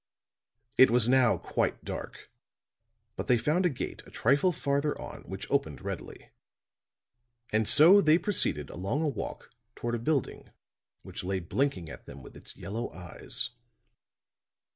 It was now quite dark, but they found a gate a trifle farther on which opened readily; and so they proceeded along a walk toward a building which lay blinking at them with its yellow eyes.